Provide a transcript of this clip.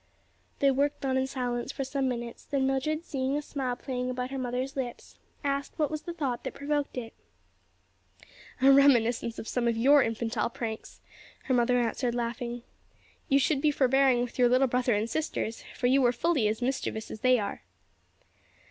They worked on in silence for some minutes, then Mildred seeing a smile playing about her mother's lips, asked what was the thought that provoked it. "A reminiscence of some of your infantile pranks," her mother answered laughing. "You should be forbearing with your little brother and sisters for you were fully as mischievous as they are.